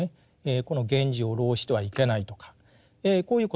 この言辞を弄してはいけないとかこういうこともあります。